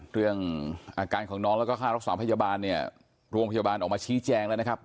เรื่องอาการของน้องแล้วก็ค่ารักษาพยาบาลเนี่ยโรงพยาบาลออกมาชี้แจงแล้วนะครับ